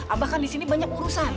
abah kan disini banyak urusan